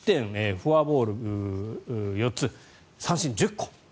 フォアボール４つ三振１０個。